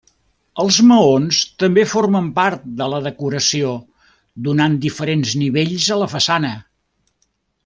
Els maons també formen part de la decoració, donant diferents nivells a la façana.